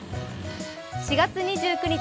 ４月２９日